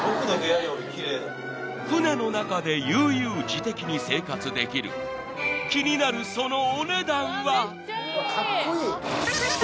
［船の中で悠々自適に生活できる気になるその］